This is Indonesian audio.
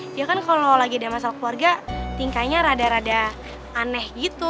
dia kan kalau lagi ada masalah keluarga tingkahnya rada rada aneh gitu